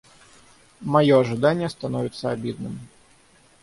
Мое ожидание становится обидным.